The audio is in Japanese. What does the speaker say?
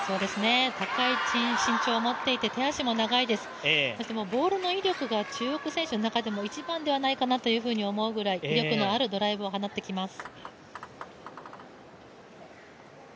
高い身長を持っていて、手足も長いですボールの威力が中国選手の中でも一番ではないかなと思うぐらい、威力のあるドライブを放ってきます。